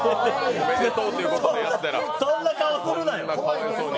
おめでとうということでやったら、そんな、かわいそうに。